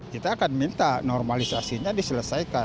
kita akan minta normalisasinya diselesaikan